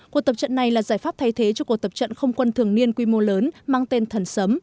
cuộc tập trận này là giải pháp thay thế cho cuộc tập trận không quân thường niên quy mô lớn mang tên thần sấm